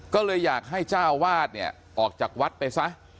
ก็เลยอยากให้เจ้าวาดเนี่ยออกจากวัดไปซะ